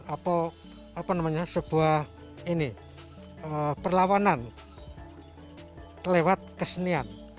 apa namanya sebuah perlawanan lewat kesenian